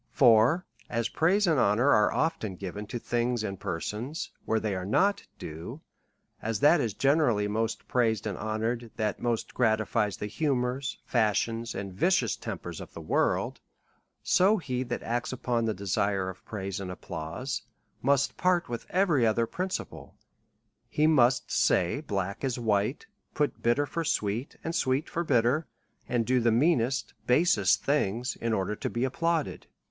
For as praise and honour are often given to things and persons, where they are not due ; as that is gene rally most praised and honoured, that most gratifies the humours, fashions, and vicious tempers of the world ; so he that acts upon the desire of praise and applause, must part with every other principle; he must say black is white, put bitter for sweet, and sweet for bitter, and do the meanest, basest things^ in order to be applauded.